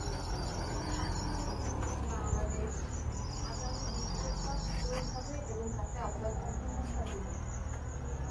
স্বপ্ন দেখছেন বাংলাদেশ আগামী বিশ্বকাপ জয়ী হবে এবং তাতে অবদান থাকবে মুস্তাফিজের।